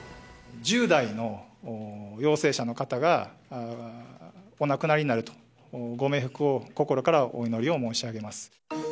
１０代の陽性者の方がお亡くなりになると、ご冥福を心からお祈りを申し上げます。